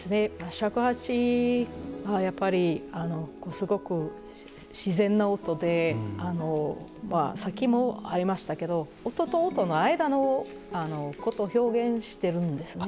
尺八はやっぱりすごく自然な音でさっきもありましたけど音と音の間のことを表現してるんですね。